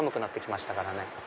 なって来ましたからね。